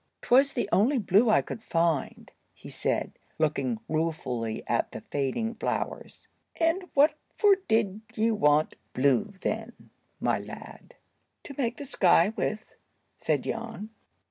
"'Twas the only blue I could find," he said, looking ruefully at the fading flowers. "And what for did ye want blue, then, my lad?" "To make the sky with," said Jan.